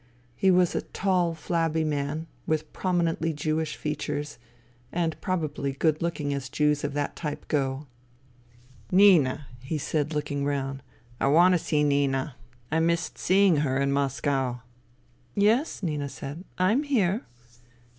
He was a tall, flabby man, with prominently Jewish features, and probably good looking as Jews of that type go. " Nina," he said, looking round. " I want to see. Nina. I missed seeing her in Moscow." *" Yes ?" Nina said, " I am here."